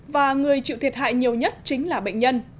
và người chịu thiệt hại nhiều nhất chính là bệnh nhân